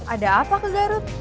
ada apa ke garut